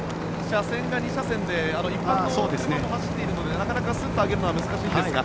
車線が２車線で一般の車も走っているのでなかなかすっと上げるのは難しいんですが。